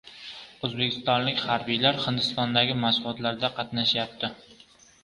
O‘zbekistonlik harbiylar Hindistondagi mashg‘ulotlarda qatnashyapti